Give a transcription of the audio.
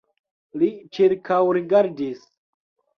Li ĉirkaŭrigardis.